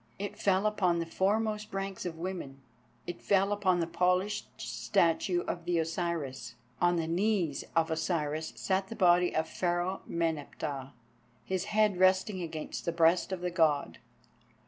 It fell upon the foremost ranks of women, it fell upon the polished statue of the Osiris. On the knees of Osiris sat the body of Pharaoh Meneptah, his head resting against the breast of the God.